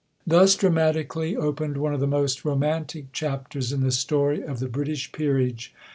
Thus dramatically opened one of the most romantic chapters in the story of the British Peerage.